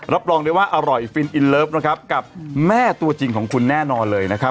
รับรองได้ว่าอร่อยฟินอินเลิฟนะครับกับแม่ตัวจริงของคุณแน่นอนเลยนะครับ